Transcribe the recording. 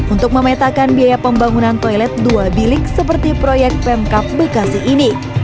untuk memetakan biaya pembangunan toilet dua bilik seperti proyek pemkap bekasi ini